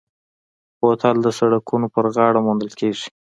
بوتل د سړکونو پر غاړه موندل کېږي.